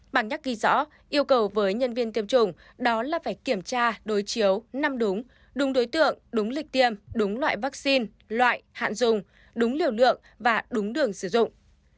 bản nhắc ghi rõ yêu cầu với nhân viên tiêm chủng đó là phải kiểm tra đối chiếu năm đúng đúng đối tượng đúng lịch tiêm đúng loại vaccine loại hạn dùng đúng liều lượng và đúng đường sử dụng